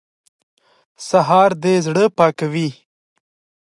سهار د زړه پاکوي.